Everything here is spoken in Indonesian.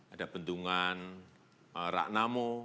ada bendungan ragnamo